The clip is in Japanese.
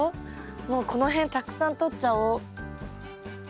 もうこの辺たくさんとっちゃおう。